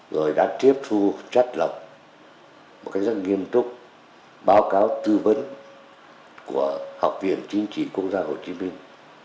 rồi đã tiếp thu chắc lọc một cái rất nghiêm túc báo cáo tư vấn của học viện chính trị quốc gia hồ chí minh